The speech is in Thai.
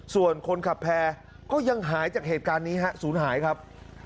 ส่วนคนขับแพร่ก็ยังหายจากเหตุการณ์นี้ฮะศูนย์หายครับ